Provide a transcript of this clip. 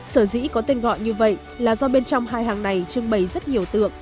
sở dĩ có tên gọi như vậy là do bên trong hai hàng này trưng bày rất nhiều tượng